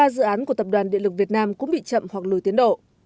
một mươi ba dự án của tập đoàn điện lực việt nam cũng bị chậm hoặc lùi tiến độ